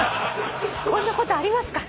「こんなことありますか？」